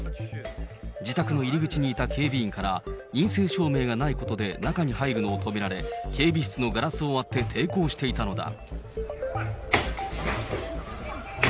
自宅の入り口にいた警備員から、陰性証明がないことで中に入るのを止められ、警備室のガラスを割って抵抗していたのだ。